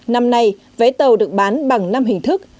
năm nay vé tàu được bán bằng năm hình thức